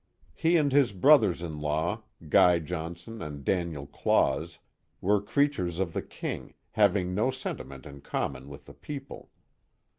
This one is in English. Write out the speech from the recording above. He and his brothers in law, Guy Johnson and Daniel Claus, were crea tures of the King, having no sentiment in common with the people.